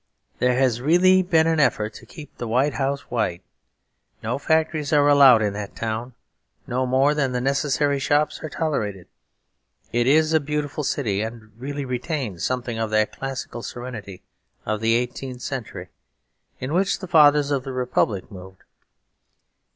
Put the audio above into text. There has really been an effort to keep the White House white. No factories are allowed in that town; no more than the necessary shops are tolerated. It is a beautiful city; and really retains something of that classical serenity of the eighteenth century in which the Fathers of the Republic moved.